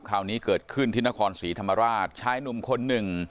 คราวนี้เกิดขึ้นที่นครศรีธรรมราชชายหนุ่มคนหนึ่ง